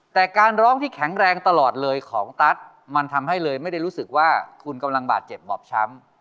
แต่การร้องที่แข็งแรงตลอดเลยของตัสมันทำให้เลยไม่ได้รู้สึกว่าคุณกำลังบาดเจ็บบอบช้ำ